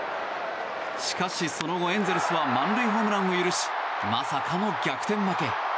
しかしその後、エンゼルスは満塁ホームランを許しまさかの逆転負け。